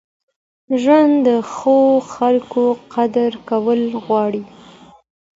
ژوند د ښو خلکو قدر کول غواړي.